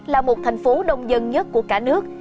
là một thành phố đông dân nhất của cả nước